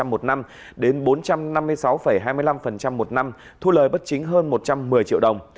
sáu mươi bảy một năm đến bốn trăm năm mươi sáu hai mươi năm một năm thu lời bất chính hơn một trăm một mươi triệu đồng